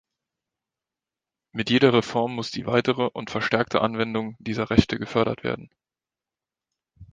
Mit jeder Reform muss die weitere und verstärkte Anwendung dieser Rechte gefördert werden.